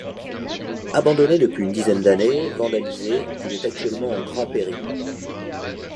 Abandonné depuis une dizaine d'années, vandalisé, il est actuellement en grand péril.